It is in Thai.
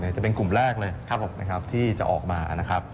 จะเป็นกลุ่มแรกเลยที่จะออกมา